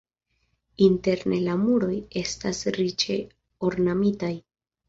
Interne la muroj estas riĉe ornamitaj.